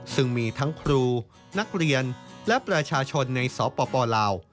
ซึ่งมีทั้งครูนักเรียนและประชาชนในสปลาว